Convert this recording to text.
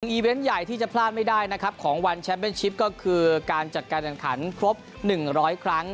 อีเวนต์ใหญ่ที่จะพลาดไม่ได้นะครับของวันแชมป์เป็นชิปก็คือการจัดการแข่งขันครบ๑๐๐ครั้ง